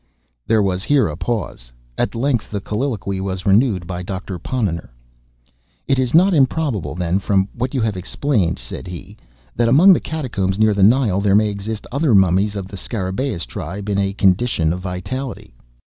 There was here a pause. At length the colloquy was renewed by Doctor Ponnonner. "It is not improbable, then, from what you have explained," said he, "that among the catacombs near the Nile there may exist other mummies of the Scarabaeus tribe, in a condition of vitality?"